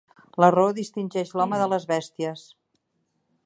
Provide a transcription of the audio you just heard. La raó distingeix l'home de les bèsties.